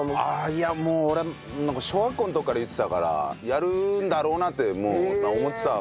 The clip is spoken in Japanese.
いやもう俺なんか小学校の時から言ってたからやるんだろうなって思ってたから。